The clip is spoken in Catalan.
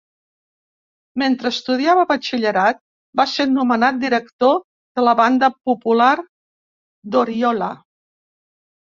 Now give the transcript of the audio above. Mentre estudiava batxillerat va ser nomenat director de la Banda Popular d'Oriola.